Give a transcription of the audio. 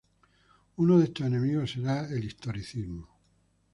Unos de esos enemigos será el historicismo.